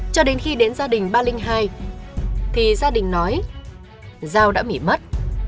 cho đến khi đến gia đình ba trăm linh hai thì gia đình nói dao đã bị mất